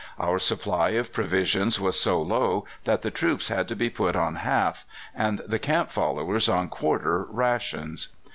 Our supply of provisions was so low that the troops had to be put on half, and the camp followers on quarter, rations.